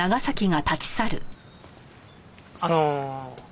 あの。